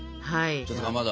ちょっとかまど。